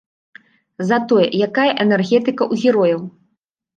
Затое якая энергетыка ў герояў!